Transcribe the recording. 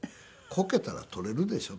「こけたら取れるでしょ？